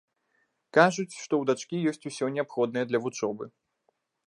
Кажуць, што ў дачкі ёсць усё неабходнае для вучобы.